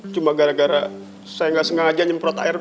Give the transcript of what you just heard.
cuma gara gara saya gak sengaja nyemprot air berdua